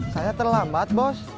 saya terlambat bos